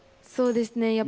そうですね